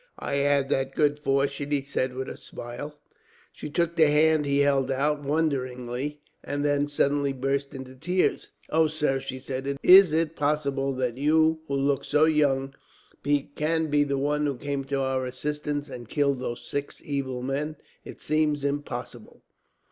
"I had that good fortune," he said with a smile. She took the hand he held out, wonderingly, and then suddenly burst into tears. "Oh, sir," she said, "is it possible that you, who look so young, can be the one who came to our assistance, and killed those six evil men? It seems impossible.